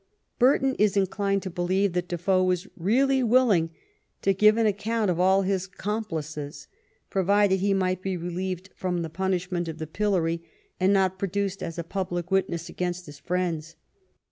Burton is inclined to believe that Defoe was really willing to give an account of all his accomplices, pro vided he might be relieved from the punishment of the pillory and not produced as a public witness against his friends.